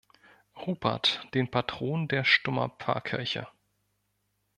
Rupert den Patron der Stummer Pfarrkirche.